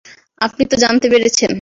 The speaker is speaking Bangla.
আপনি তো জানতে পেরেছেন।